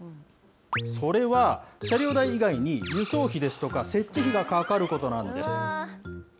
それは、車両代以外に輸送費ですとか設置費がかかることなんです。